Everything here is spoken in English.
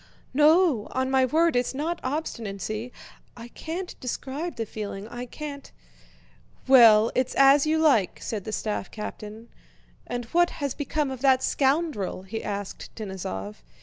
"No, on my word it's not obstinacy! I can't describe the feeling. I can't..." "Well, it's as you like," said the staff captain. "And what has become of that scoundrel?" he asked Denísov.